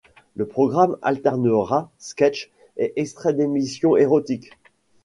Le programme alternera sketchs et extraits d'émissions érotiques.